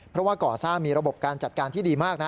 เพราะว่าก่อสร้างมีระบบการจัดการที่ดีมากนะ